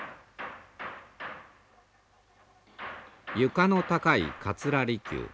床の高い桂離宮。